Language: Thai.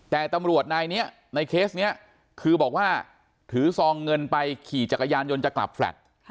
แต่ตำรวจนายนี้ในเคสนี้คือบอกว่าถือซองเงินไปขี่จักรยานยนต์จะกลับแฟลต์